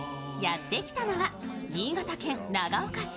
やってきたのは、新潟県長岡市。